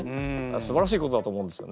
すばらしいことだと思うんですよね。